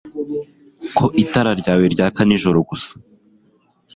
Ko itara ryawe ryaka nijoro gusa